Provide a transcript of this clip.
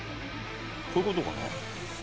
こういう事かな？